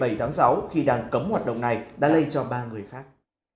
bệnh nhân một mươi ba nghìn ba trăm bảy mươi sáu khi đàn cấm hoạt động này đã lây cho ba người khác